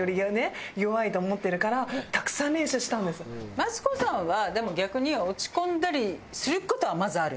マツコさんはでも逆に落ち込んだりする事はまずある？